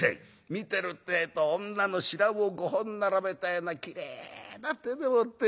「見てるってえと女の白魚五本並べたようなきれいな手でもってよ